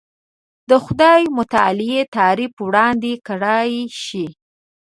د خدای متعالي تعریف وړاندې کړای شي.